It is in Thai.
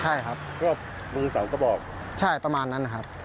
ใช่ครับก็มือสองกระบอกใช่ประมาณนั้นนะครับ